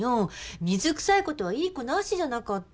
水くさいことは言いっこなしじゃなかった？